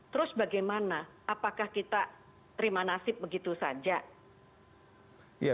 terus bagaimana apakah kita terima nasib begitu saja